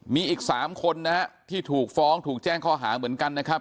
มีอีก๓คนนะฮะที่ถูกฟ้องถูกแจ้งข้อหาเหมือนกันนะครับ